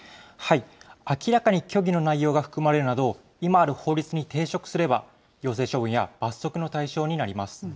明らかに虚偽の内容が含まれるなど、今ある法律に抵触すれば、行政処分や罰則の対象になります。